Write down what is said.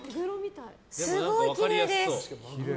すごいきれいです。